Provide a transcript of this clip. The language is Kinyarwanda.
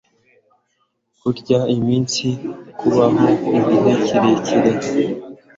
kurya iminsi kubaho igihe kirekira